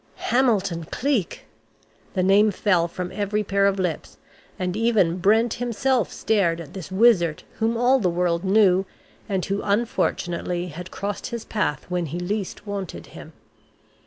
"Hamilton Cleek!" The name fell from every pair of lips, and even Brent himself stared at this wizard whom all the world knew, and who unfortunately had crossed his path when he least wanted him.